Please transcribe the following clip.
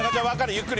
ゆっくり。